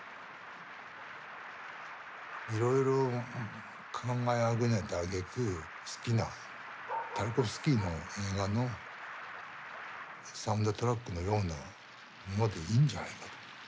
いろいろ考えあぐねたあげく好きなタルコフスキーの映画のサウンドトラックのようなものでいいんじゃないかと。